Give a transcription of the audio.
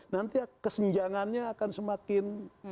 nanti kesenjangannya akan semakin